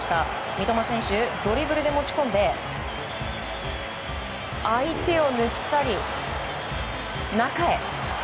三笘選手、ドリブルで持ち込んで相手を抜き去り、中へ！